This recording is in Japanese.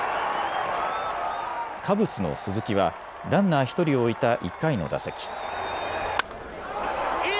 カブスの鈴木はランナー１人を置いた１回の打席。